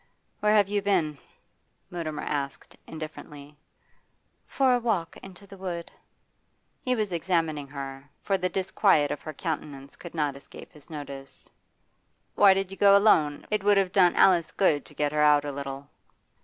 'Where have you been?' Mutimer asked, indifferently. 'For a walk. Into the wood.' He was examining her, for the disquiet of her countenance could not escape his notice. 'Why did you go alone? It would have done Alice good to get her out a little.